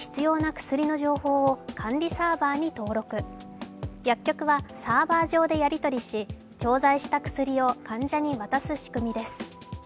薬局は、サーバー上でやり取りし調剤した薬を患者に渡す仕組みです。